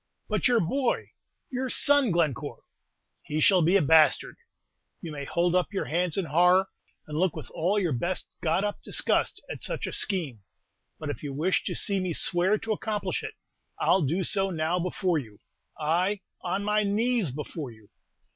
"But your boy, your son, Glencore!" "He shall be a bastard! You may hold up your hands in horror, and look with all your best got up disgust at such a scheme; but if you wish to see me swear to accomplish it, I'll do so now before you, ay, on my knees before you!